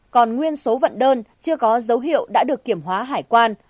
còn nguyên số vận đơn chưa có dấu hiệu đã được kiểm hóa hải quan